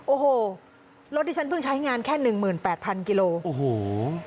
โอ้โหรถที่ฉันเพิ่งใช้งานแค่๑๘๐๐๐กิโลเมตร